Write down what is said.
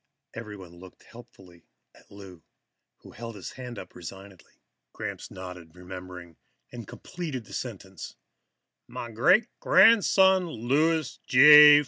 Everyone looked helpfully at Lou, who held up his hand resignedly. Gramps nodded, remembering, and completed the sentence "my great grandson, Louis J.